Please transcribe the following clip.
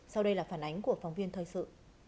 sau đây là phản ánh của phóng viên thời sự